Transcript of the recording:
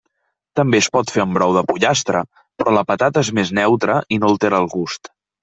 També es pot fer amb brou de pollastre, però la patata és més neutra i no altera el gust.